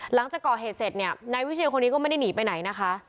หลังจากก่อเหตุเสร็จเนี่ยนายวิเชียนคนนี้ก็ไม่ได้หนีไปไหนนะคะ